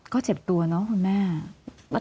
ก็เจ็บตัวเนาะคุณแม่